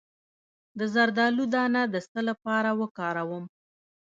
د زردالو دانه د څه لپاره وکاروم؟